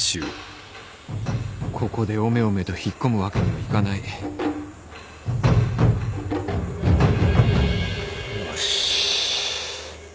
ここでおめおめと引っ込むわけにはいかないよし。